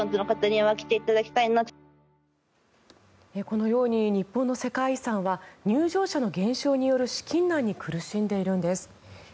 このように日本の世界遺産は入場者の減少による資金難に苦しんでいるんです。